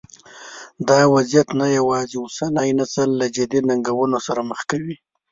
دا وضعیت نه یوازې اوسنی نسل له جدي ننګونو سره مخ کړی.